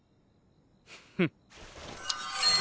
フッ。